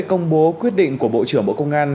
công bố quyết định của bộ trưởng bộ công an